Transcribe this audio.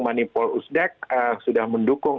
manipulasi usdek sudah mendukung